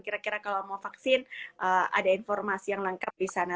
karena kalau mau vaksin ada informasi yang lengkap di sana